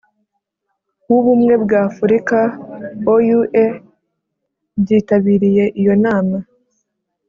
w'ubumwe bw'afurika (oua) byitabiriye iyo nama.